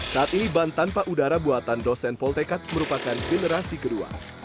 saat ini ban tanpa udara buatan dosen poltekat merupakan generasi kedua